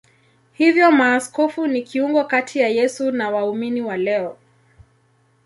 Hivyo maaskofu ni kiungo kati ya Yesu na waumini wa leo.